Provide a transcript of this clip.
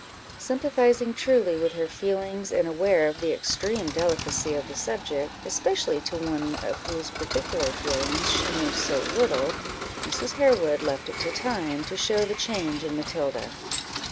Sympathizing truly with her feelings, and aware of the extreme delicacy of the subject, especially to one of whose peculiar feelings she knew so little, Mrs. Harewood left it to time to show the change in Matilda.